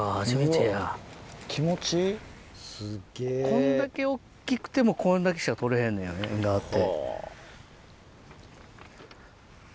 こんだけ大っきくてもこんだけしか取れへんのやエンガワって。